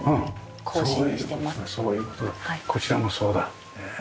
こちらもそうだねえ。